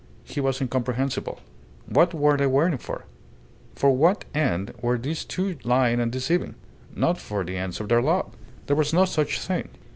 He was incomprehensible. What were they waiting for? For what end were these two lying and deceiving? Not for the ends of their love. There was no such thing.